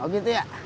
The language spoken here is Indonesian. oh gitu ya